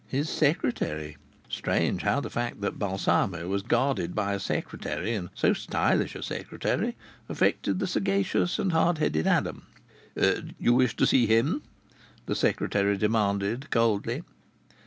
His secretary! Strange how the fact that Balsamo was guarded by a secretary, and so stylish a secretary, affected the sagacious and hard headed Adam! "You wish to see him?" the secretary demanded coldly.